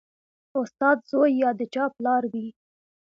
استاد زوی یا د چا پلار وي